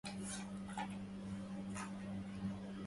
غراء تحسبها غمودا كلما